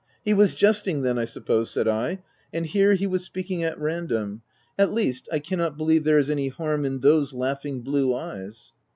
" He was jesting then, I suppose/' said I, u and here he was speaking at random — at least, I cannot believe there is any harm in those laughing blue eyes."